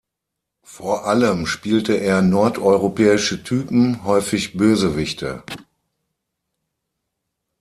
Vor allem spielte er nordeuropäische Typen, häufig Bösewichte.